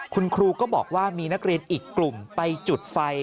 คุณครูก็บอกว่ามีนักเรียนอีกกลุ่มไปจุดไฟ